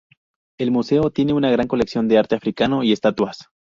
El museo tiene una gran colección de arte africano y estatuas.